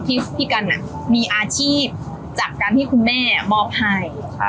พี่กันมีอาชีพจากการที่คุณแม่มอบให้